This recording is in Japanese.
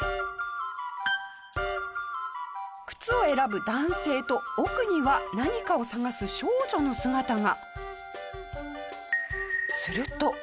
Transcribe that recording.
靴を選ぶ男性と奥には何かを探す少女の姿が。